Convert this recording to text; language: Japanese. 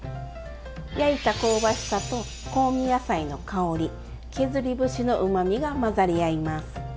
焼いた香ばしさと香味野菜の香り削り節のうまみが混ざり合います。